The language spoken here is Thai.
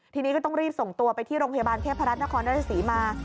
ทีนี้ก็ต้องรีบส่งตัวไปที่โรงพยาบาลเทพรัฐนครราชศรีมา